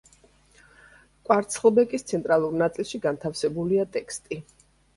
კვარცხლბეკის ცენტრალურ ნაწილში განთავსებულია ტექსტი.